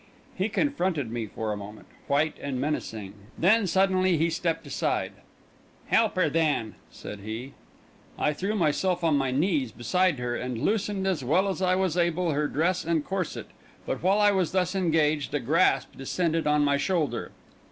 He confronted me for a moment, white and menacing; then suddenly he stepped aside. "Help her then," said he. I threw myself on my knees beside her, and loosened, as well as I was able, her dress and corset; but while I was thus engaged, a grasp descended on my shoulder.